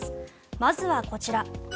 まずはこちら。